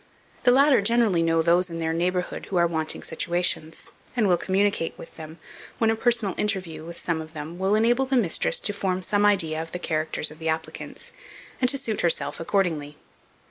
The latter generally know those in their neighbourhood, who are wanting situations, and will communicate with them, when a personal interview with some of them will enable the mistress to form some idea of the characters of the applicants, and to suit herself accordingly.